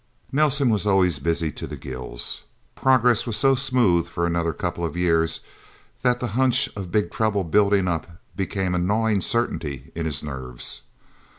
Nelsen was always busy to the gills. Progress was so smooth for another couple of years, that the hunch of Big Trouble building up, became a gnawing certainty in his nerves.